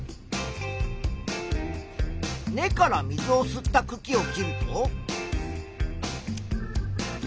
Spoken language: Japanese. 根から水を吸ったくきを切ると。